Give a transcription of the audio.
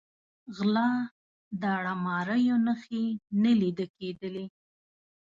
غلا، داړه ماریو نښې نه لیده کېدلې.